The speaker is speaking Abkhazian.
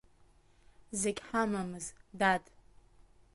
Зегь ҳамамыз, дад…